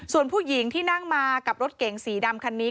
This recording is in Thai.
ส่วนผู้หญิงที่นั่งมากับรถเก๋งสีดำคันนี้